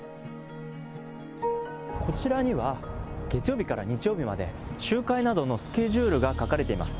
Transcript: こちらには、月曜日から日曜日まで、集会などのスケジュールが書かれています。